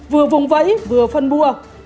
vừa vùng vẫy vừa phân bua